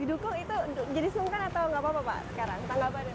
didukung itu jadi sungkan atau nggak apa apa pak sekarang tanggapan